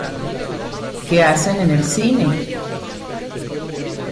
¿Qué hacen en el cine?